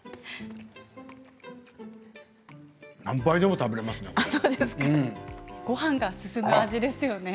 何杯でも食べられますね。